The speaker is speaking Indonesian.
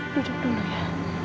duduk dulu ya